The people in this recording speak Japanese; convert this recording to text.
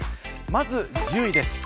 まず１０位です。